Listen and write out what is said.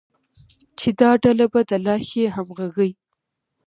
چې دا ډله به د لا ښې همغږۍ،